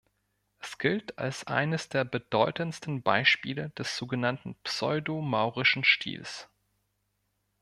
Es gilt als eines der bedeutendsten Beispiele des sogenannten pseudo-maurischen Stils.